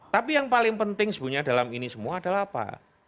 tapi yang paling penting sebenarnya dalam ini semua adalah apa